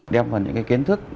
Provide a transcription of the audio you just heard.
đem phần những kiến thức